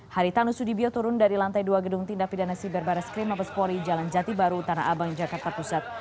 haritanu sudibyo turun dari lantai dua gedung tindak pidana siber barres krim mabespori jalan jati baru tanah abang jakarta pusat